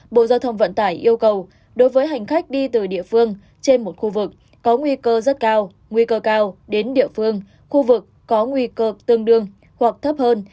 bộ giao thông vận tải yêu cầu đối với hành khách đi từ địa phương trên một khu vực có nguy cơ rất cao nguy cơ cao đến địa phương khu vực có nguy cơ tương đương hoặc thấp hơn